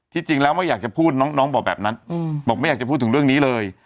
จริงแล้วไม่อยากจะพูดน้องบอกแบบนั้นบอกไม่อยากจะพูดถึงเรื่องนี้เลย